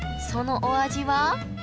そのお味は？